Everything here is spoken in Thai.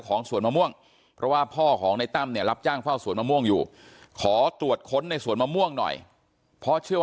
น้องจ้อยนั่งก้มหน้าไม่มีใครรู้ข่าวว่าน้องจ้อยเสียชีวิตไปแล้ว